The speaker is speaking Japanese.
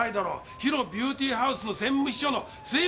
ＨＩＲＯビューティーハウスの専務秘書の末吉！